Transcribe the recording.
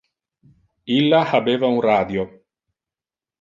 Illa habeva un radio.